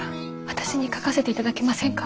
私に書かせて頂けませんか？